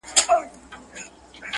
کریمه! هر څه منظم کړو پکي